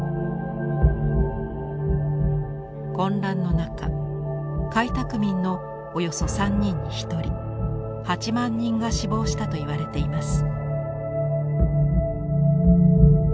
混乱の中開拓民のおよそ３人に１人８万人が死亡したといわれています。